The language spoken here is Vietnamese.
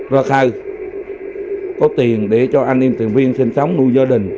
rồi khai có tiền để cho anh em thường viên sinh sống nuôi gia đình